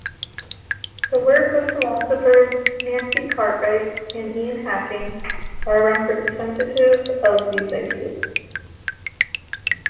The work of philosophers Nancy Cartwright and Ian Hacking are representative of these ideas.